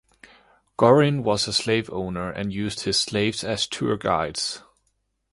Gorin was a slave owner, and used his slaves as tour guides.